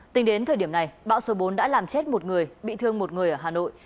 tính đến thời điểm này bão số bốn đã làm chết một người bị thương một người ở hà nội